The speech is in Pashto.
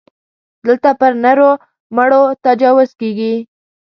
دلته پر نرو مړو تجاوز کېږي.